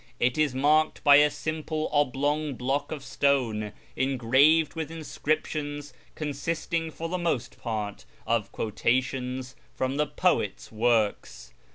It is marked by a simple oblong block of stone, engraved with inscriptions consisting for the most part of quotations from the poet's works.